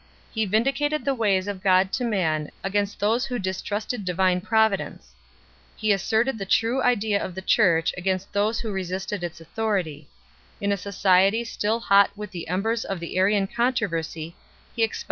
He vindicated the ways of God to man against those who distrusted divine provi dence ; he asserted the true idea of the Church against those who resisted its authority ; in a society still hot with the embers of the Arian controversy he expounded the CHAP.